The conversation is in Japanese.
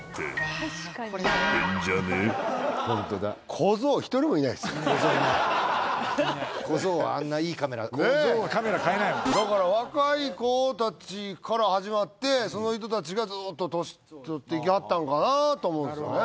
小僧いないいない小僧はあんないいカメラ買えない小僧はカメラ買えないもんだから若い子達から始まってその人達がずっと年取っていきはったんかなと思うんですよね